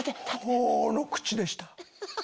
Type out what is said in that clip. ホーの口でした。